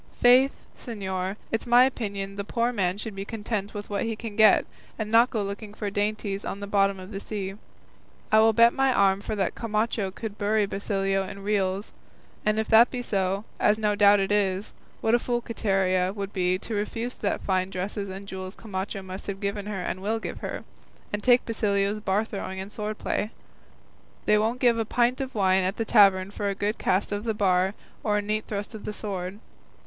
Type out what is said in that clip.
Faith, señor, it's my opinion the poor man should be content with what he can get, and not go looking for dainties in the bottom of the sea. I will bet my arm that Camacho could bury Basilio in reals; and if that be so, as no doubt it is, what a fool Quiteria would be to refuse the fine dresses and jewels Camacho must have given her and will give her, and take Basilio's bar throwing and sword play. They won't give a pint of wine at the tavern for a good cast of the bar or a neat thrust of the sword.